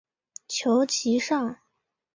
求其上